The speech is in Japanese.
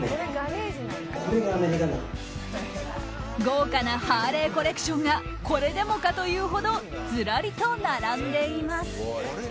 豪華なハーレーコレクションがこれでもかというほどズラリと並んでいます。